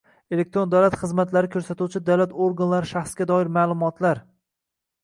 Elektron davlat xizmatlari ko‘rsatuvchi davlat organlari shaxsga doir ma’lumotlar